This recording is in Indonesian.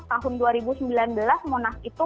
tahun dua ribu sembilan belas monas itu